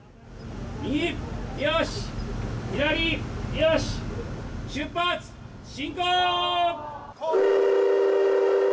右よし、左よし、出発進行！